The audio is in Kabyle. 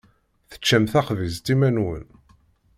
Teččam taxbizt iman-nwen.